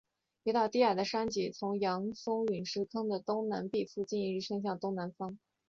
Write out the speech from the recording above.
一道低矮的山脊从扬松陨石坑的东南壁附近一直伸向了东南方。